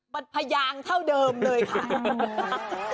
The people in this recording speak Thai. มันพยางเท่าเดิมเลยค่ะ